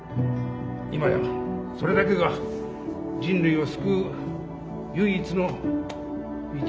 今やそれだけが人類を救う唯一の道なのであります。